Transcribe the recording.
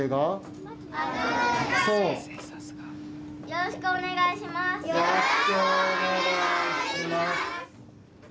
よろしくお願いします。